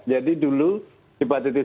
jadi dulu hepatitis b kita tidak